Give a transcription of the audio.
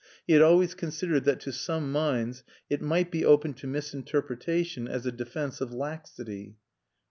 He had always considered that to some minds it might be open to misinterpretation as a defense of laxity.